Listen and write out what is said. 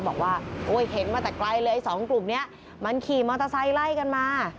บอกว่าโอ้ยเห็นมาแต่ไกลเลยสองกลุ่มนี้มันขี่มอเตอร์ไซค์ไล่กันมา